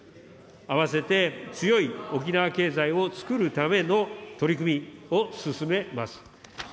あわせて強い沖縄経済をつくるための取り組みを進めます。